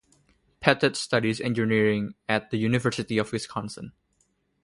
Pettet studies engineering at the University of Wisconsin.